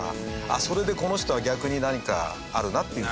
あっそれでこの人は逆に何かあるなっていう。